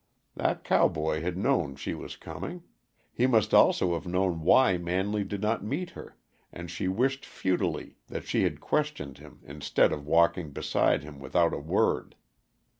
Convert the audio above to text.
That cowboy had known she was coming; he must also have known why Manley did not meet her, and she wished futilely that she had questioned him, instead of walking beside him without a word.